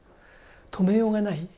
止めようがない。